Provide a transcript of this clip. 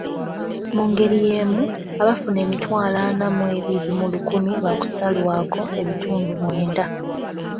Mungeri yeemu, abafuna emitwalo ana mw'ebiri mu lukumi bakusalwako ebitundu mwenda.